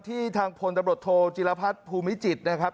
ที่ทางพลตำรวจโทษจิลภัทรภูมิจิตนะครับ